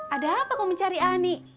ada apa kau mencari ani